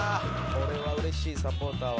これは嬉しいサポーターは」